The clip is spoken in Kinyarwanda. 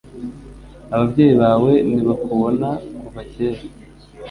Ababyeyi bawe ntibakubona kuva kera.